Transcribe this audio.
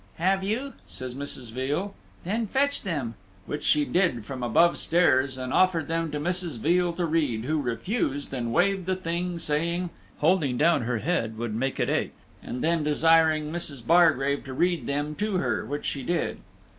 "Have you?" says Mrs. Veal; "then fetch them"; which she did from above stairs, and offered them to Mrs. Veal to read, who refused, and waived the thing, saying, "holding down her head would make it ache"; and then desiring Mrs. Bargrave to read them to her, which she did.